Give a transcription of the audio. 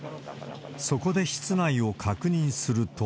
そこで室内を確認すると。